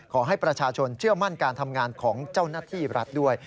ขอให้ประชาชนเชื่อมั่นการทำงานของเจ้าหน้าที่รัฐด้วย